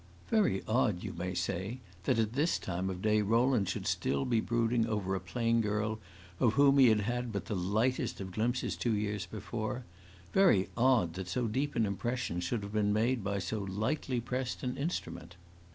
Very odd, you may say, that at this time of day Rowland should still be brooding over a plain girl of whom he had had but the lightest of glimpses two years before; very odd that so deep an impression should have been made by so lightly pressed an instrument.